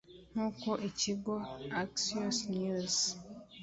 nkuko ikigo Axios News